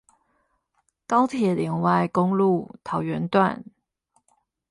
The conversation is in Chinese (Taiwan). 高鐵聯外公路桃園段